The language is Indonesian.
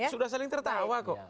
sudah saling tertawa kok